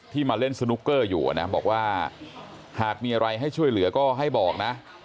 มาเล่นสนุกเกอร์อยู่นะบอกว่าหากมีอะไรให้ช่วยเหลือก็ให้บอกนะ